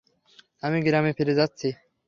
আমি গ্রামে ফিরে যাচ্ছি।